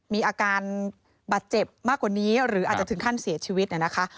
มีอาการบาดเจ็บมากกว่านี้หรืออาจจะถึงขั้นเสียชีวิตเนี่ยนะคะ